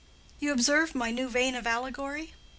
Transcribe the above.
(You observe my new vein of allegory?)